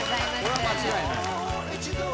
これは間違いない。